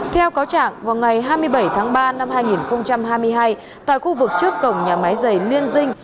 theo cáo trạng vào ngày hai mươi bảy tháng ba năm hai nghìn hai mươi hai tại khu vực trước cổng nhà máy dày liên dinh